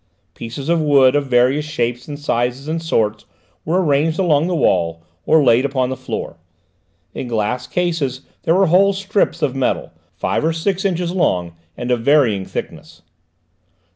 Pieces of wood, of various shapes and sizes and sorts, were arranged along the wall or laid upon the floor; in glass cases were whole heaps of strips of metal, five or six inches long, and of varying thickness.